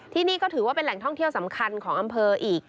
ที่นี่ก็ถือว่าเป็นแหล่งท่องเที่ยวสำคัญของอำเภออีก